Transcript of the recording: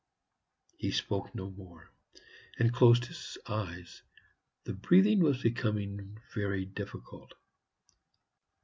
He spoke no more, and closed his eyes. The breathing was becoming very difficult.